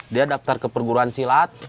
dia daftar ke perguruan silat